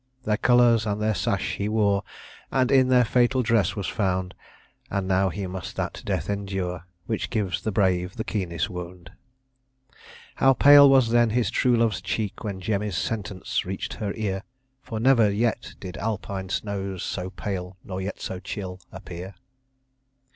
Their colours and their sash he wore, And in their fatal dress was found; And now he must that death endure Which gives the brave the keenest wound. How pale was then his true love's cheek When Jemmy's sentence reach'd her ear! For never yet did Alpine snows So pale nor yet so chill, appear.